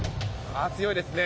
強いですね。